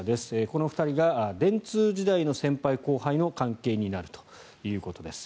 この２人が電通時代の先輩後輩の関係になるということです。